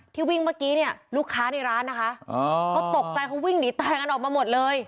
วิ่งเมื่อกี้เนี่ยลูกค้าในร้านนะคะเขาตกใจเขาวิ่งหนีตายกันออกมาหมดเลย